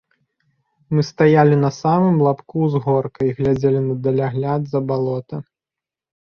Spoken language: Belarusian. Мы стаялі на самым лабку ўзгорка і глядзелі на далягляд за балота.